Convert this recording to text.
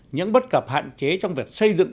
những bất cập hạn chế trong việc xây dựng